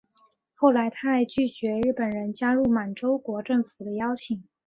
后来他还曾拒绝日本人加入满洲国政府的邀请。